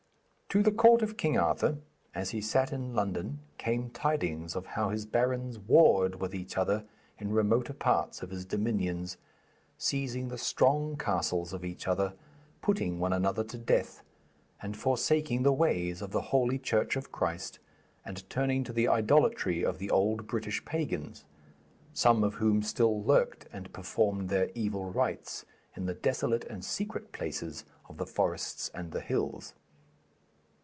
To the court of King Arthur, as he sat in London, came tidings of how his barons warred with each other in remoter parts of his dominions, seizing the strong castles of each other, putting one another to death, and forsaking the ways of the Holy Church of Christ and turning to the idolatry of the old British pagans, some of whom still lurked and performed their evil rites in the desolate and secret places of the forests and the hills.